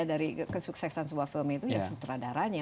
dari kesuksesan sebuah film itu ya sutradaranya